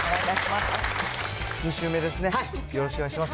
よろしくお願いします。